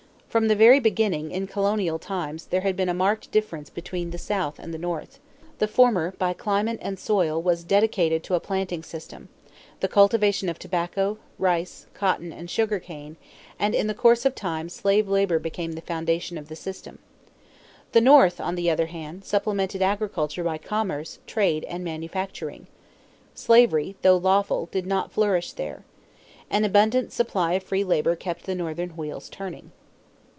From the very beginning in colonial times there had been a marked difference between the South and the North. The former by climate and soil was dedicated to a planting system the cultivation of tobacco, rice, cotton, and sugar cane and in the course of time slave labor became the foundation of the system. The North, on the other hand, supplemented agriculture by commerce, trade, and manufacturing. Slavery, though lawful, did not flourish there. An abundant supply of free labor kept the Northern wheels turning.